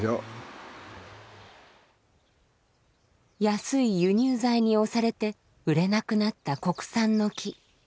安い輸入材に押されて売れなくなった国産の木。